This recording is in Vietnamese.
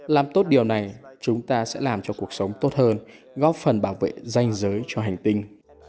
làm tốt điều này chúng ta sẽ làm cho cuộc sống tốt hơn góp phần bảo vệ danh giới cho hành tinh